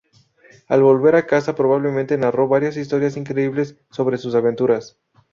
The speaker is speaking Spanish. Al volver a casa, probablemente narró varias historias increíbles sobre sus aventuras.